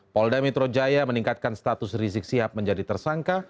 polda mitrojaya meningkatkan status rizik sihab menjadi tersangka